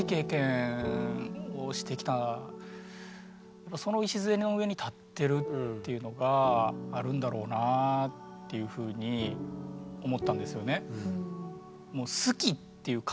僕はその話を聞いてっていうのがあるんだろうなぁっていうふうに思ったんですよね。